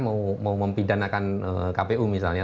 mau mempidanakan kpu misalnya